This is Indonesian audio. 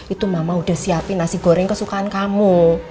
itu mama udah siapin nasi goreng kesukaan kamu